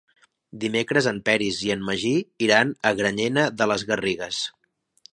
Dimecres en Peris i en Magí iran a Granyena de les Garrigues.